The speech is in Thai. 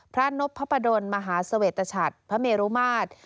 นพพระประดนมหาเสวตชัดพระเมรุมาตร